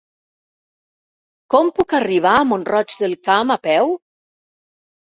Com puc arribar a Mont-roig del Camp a peu?